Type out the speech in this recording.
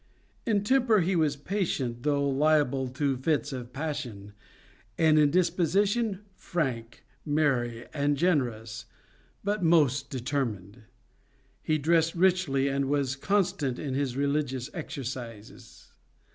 In temper he was patient though liable to fits of passion, and in disposition frank, merry, and generous, but most determined. He dressed richly and was constant in his religious exercises.